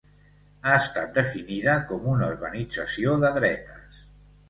Ha estat definida com una organització de dretes.